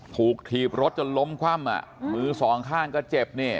ถีบรถจนล้มคว่ำอ่ะมือสองข้างก็เจ็บนี่